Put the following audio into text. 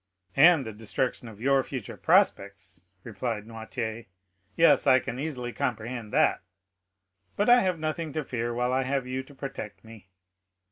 "And the destruction of your future prospects," replied Noirtier; "yes, I can easily comprehend that. But I have nothing to fear while I have you to protect me."